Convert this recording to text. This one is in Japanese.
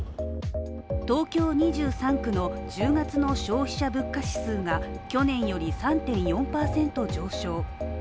東京２３区の１０月の消費者物価指数が去年より３．４％上昇。